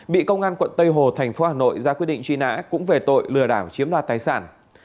bị công an quận tây hồ thành phố hà nội ra quyết định truy nã cũng về tội lừa đảo chiếm đoạt tài sản